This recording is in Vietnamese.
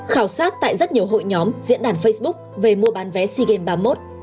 khảo sát tại rất nhiều hội nhóm diễn đàn facebook về mua bán vé sea games ba mươi một